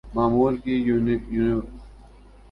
معمول کے یونیکوڈ کی چھٹائی کریں